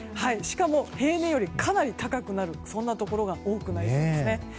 しかも、平年よりかなり高くなるところが多くなりそうですね。